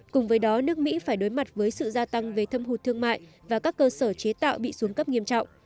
cùng với đó nước mỹ phải đối mặt với sự gia tăng về thâm hụt thương mại và các cơ sở chế tạo bị xuống cấp nghiêm trọng